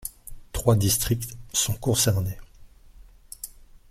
Trois districts sont concernés.